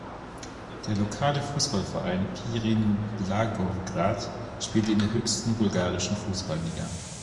Der lokale Fußballverein Pirin Blagoewgrad spielt in der höchsten bulgarischen Fußballliga.